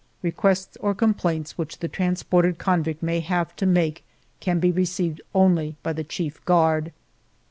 Requests or complaints which the transported convict may have to make can be received only by the chief guard.